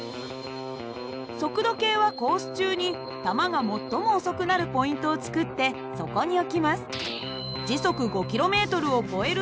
速度計はコース中に玉が最も遅くなるポイントを作ってそこに置きます。